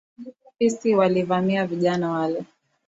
Fisi walivamia vijana wale